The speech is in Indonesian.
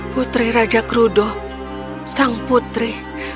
putri raja krudo sang putri